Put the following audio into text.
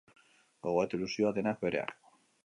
Gogoa eta ilusioa, denak bereak.